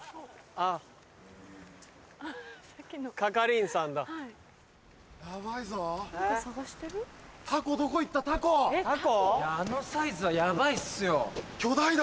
あのサイズはヤバいっすよ。